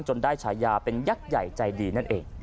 ได้ฉายาเป็นยักษ์ใหญ่ใจดีนั่นเอง